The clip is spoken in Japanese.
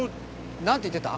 何て言ってた？